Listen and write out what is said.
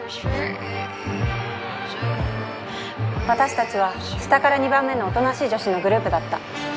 私たちは下から二番目の「大人しい女子」のグループだった。